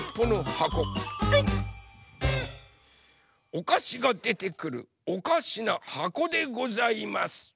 おかしがでてくるおかしなはこでございます。